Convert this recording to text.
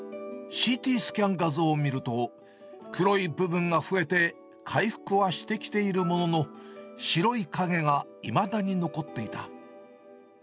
ＣＴスキャン画像を見ると、黒い部分が増えて、回復はしてきているものの、白い影がいまだに残っていた。